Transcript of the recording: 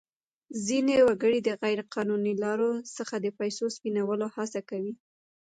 ځینې وګړي د غیر قانوني لارو څخه د پیسو سپینولو هڅه کوي.